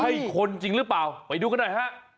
ใช่คนจริงหรือเปล่าไปดูกันหน่อยฮะ